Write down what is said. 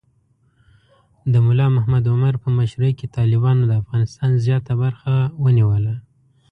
د ملا محمد عمر په مشرۍ کې طالبانو د افغانستان زیات برخه ونیوله.